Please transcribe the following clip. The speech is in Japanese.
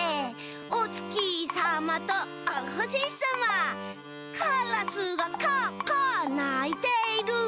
「おつきさまとおほしさま」「カラスがカアカアないている」